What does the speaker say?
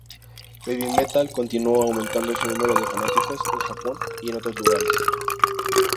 Babymetal continuó aumentando su número de fanáticos en Japón y en otros lugares.